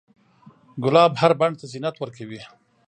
ګلاب هر بڼ ته زینت ورکوي.